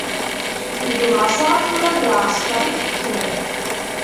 Deg Maṣer tura d lɛesker i iḥekmen.